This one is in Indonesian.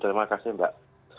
terima kasih mbak